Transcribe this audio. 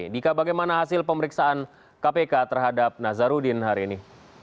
dika bagaimana hasil pemeriksaan kpk terhadap nazarudin hari ini